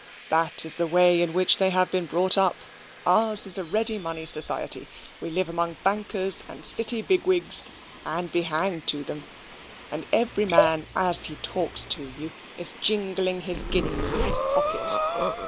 "That is the way in which they have been brought up. Ours is a ready money society. We live among bankers and City big wigs, and be hanged to them, and every man, as he talks to you, is jingling his guineas in his pocket.